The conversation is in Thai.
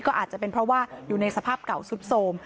ก็อาจจะเป็นเพราะว่าอยู่ในสภาพเก่าสุดโทรม